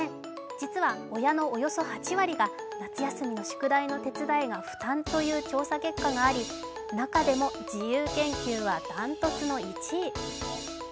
実は親のおよそ８割が夏休みの宿題の手伝いが負担という調査結果があり中でも自由研究はダントツの１位。